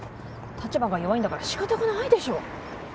立場が弱いんだからしかたがないでしょ。